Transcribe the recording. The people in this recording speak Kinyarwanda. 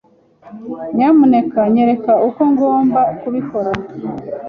Nyamuneka nyereka uko ngomba kubikora.